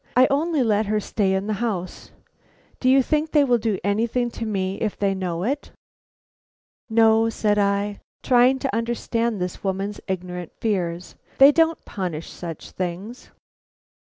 I only let her stay in the house. Do you think they will do anything to me if they know it?" "No," said I, trying to understand this woman's ignorant fears, "they don't punish such things.